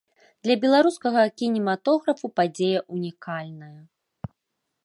Для беларускага кінематографу падзея ўнікальная.